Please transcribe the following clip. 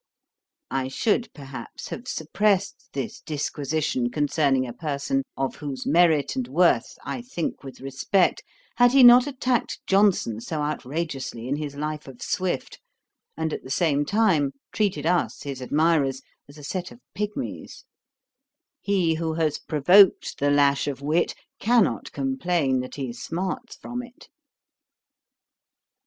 I should, perhaps, have suppressed this disquisition concerning a person of whose merit and worth I think with respect, had he not attacked Johnson so outrageously in his Life of Swift, and, at the same time, treated us, his admirers, as a set of pigmies. He who has provoked the lash of wit, cannot complain that he smarts from it.